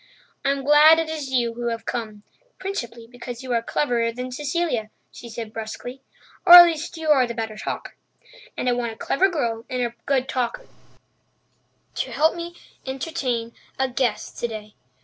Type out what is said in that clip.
"I'm glad it is you who have come—principally because you are cleverer than Cecilia," she said brusquely. "Or at least you are the better talker. And I want a clever girl and a good talker to help me entertain a guest today.